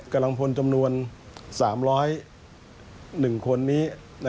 กำลังพลจำนวน๓๐๑คนนี้